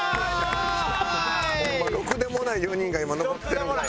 ホンマろくでもない４人が今残ってるから。